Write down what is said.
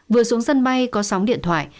vừa xuống sân bay có sóng điện thoại